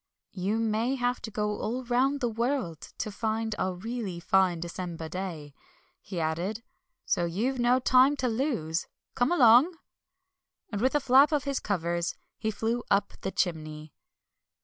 "You may have to go all round the world to find a really fine December day," he added, "so you've no time to lose. Come along!" And with a flap of his covers he flew up the chimney.